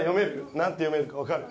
何て読めるか分かる？